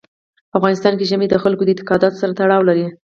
په افغانستان کې ژمی د خلکو د اعتقاداتو سره تړاو لري.